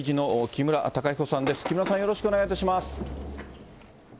木村さん、よろしくお願いいたします。